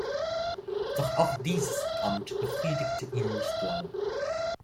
Doch auch dieses Amt befriedigte ihn nicht lange.